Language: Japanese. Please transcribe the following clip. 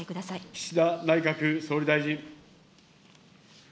岸田内閣総理大臣。